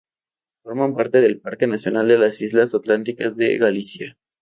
Forman parte del Parque Nacional de las Islas Atlánticas de Galicia.